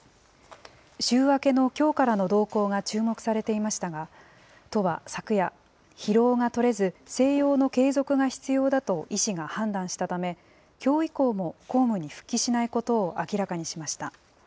週明けのきょうからの動向が注目されていましたが、都は昨夜、疲労がとれず、静養の継続が必要だと医師が判断したため、きょう以降も公務に復帰しないことを明らかにしました。